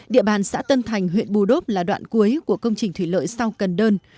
địa bàn xã tân thành huyện bù đốp là đoạn cuối của công trình thủy lợi sau cần đơn